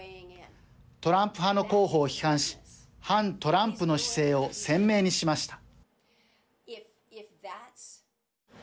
トランプ派の候補を批判し反トランプの姿勢を鮮明にしました。